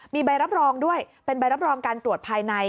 มีใบรับรองด้วยเป็นใบรับรองการตรวจภายใน